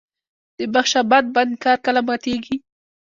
د بخش اباد بند کار کله ماتیږي؟